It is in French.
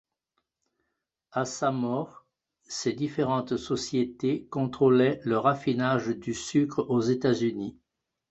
À sa mort, ses différentes sociétés contrôlaient le raffinage du sucre aux États-Unis.